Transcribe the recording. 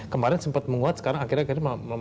kemarin sempat menguat sekarang akhirnya